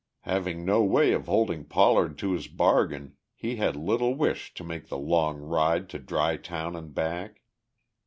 Having no way of holding Pollard to his bargain he had little wish to make the long ride to Dry Town and back.